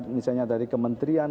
misalnya dari kementerian